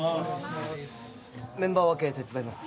メンバー分け手伝います